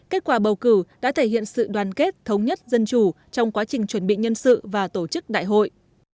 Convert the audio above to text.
kết quả bầu cử đã thể hiện sự đoàn kết thống nhất dân chủ trong quá trình chuẩn bị nhân sự và tổ chức đại hội